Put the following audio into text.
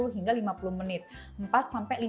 hingga lima puluh menit empat sampai lima